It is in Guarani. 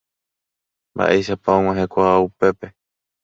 Mba'éichapa ag̃uahẽkuaa upépe.